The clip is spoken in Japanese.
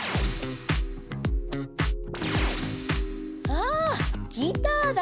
あギターだ！